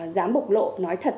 dám bộc lộ nói thật